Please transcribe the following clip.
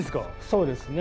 そうですね。